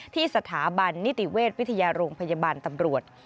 ที่สถาบันนิติเวชวิทยาโรงพยาบาลตำรวจ